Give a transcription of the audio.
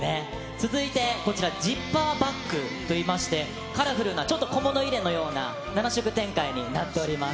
続いてこちら、ジッパーバックといいまして、カラフルな、ちょっと小物入れのような７色展開になっております。